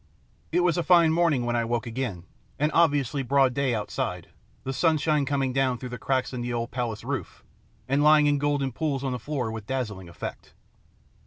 It was a fine morning when I woke again, and obviously broad day outside, the sunshine coming down through cracks in the old palace roof, and lying in golden pools on the floor with dazzling effect.